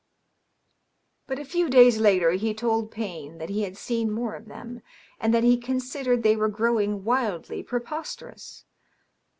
... But a few days later he told Payne that he had seen more of them, and that he considered they were growing wildly preposterous.